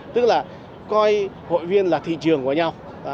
tức là coi hội viên là thị trường của nhau